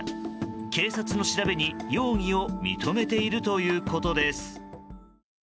警察の調べに容疑を認めているということです。